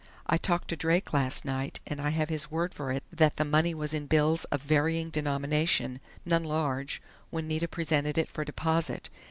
I talked to Drake last night, and I have his word for it that the money was in bills of varying denomination none large when Nita presented it for deposit.